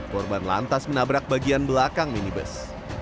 korban lantas menabrak bagian belakang minibus